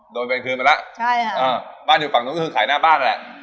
โดยเป็นคืนไปแล้วบ้านอยู่ฝั่งนู้นคือขายหน้าบ้านแหละ